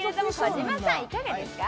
児嶋さん、いかがですか？